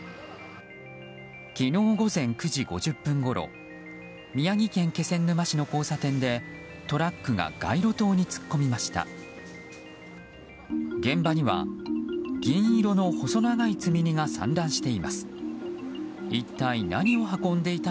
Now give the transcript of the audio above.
昨日午前９時５０分ごろ宮城県気仙沼市の交差点でトラックが街路灯に突っ込みました。